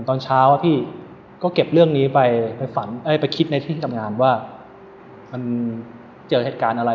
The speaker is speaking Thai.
ตอนเช้าอะพี่ก็เก็บเรื่องนี้ไปฝันไปคิดในที่ทำงานว่ามันเจอเหตุการณ์อะไร